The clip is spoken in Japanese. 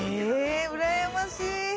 うらやましい